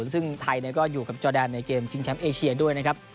ซึ่งไทยก็อยู่กับจอแดนในเกมชิงแชมป์เอเชียด้วยนะครับ